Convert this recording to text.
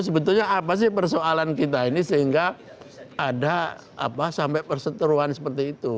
sebetulnya apa sih persoalan kita ini sehingga ada sampai perseteruan seperti itu